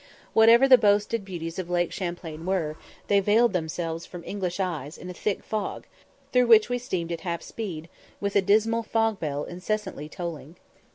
Whatever the boasted beauties of Lake Champlain were, they veiled themselves from English eyes in a thick fog, through which we steamed at half speed, with a dismal fog bell incessantly tolling.